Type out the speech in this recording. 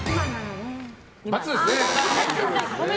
×ですね。